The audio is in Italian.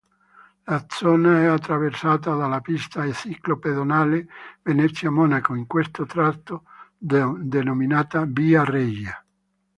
La zona è attraversata dalla pista ciclo-pedonale Venezia-Monaco, in questo tratto denominata "via Regia".